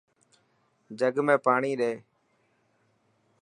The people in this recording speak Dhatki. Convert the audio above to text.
جگ ۾ پاڻي ڏي.